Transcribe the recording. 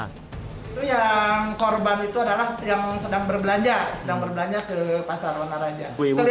itu yang korban itu adalah yang sedang berbelanja sedang berbelanja ke pasar onaraja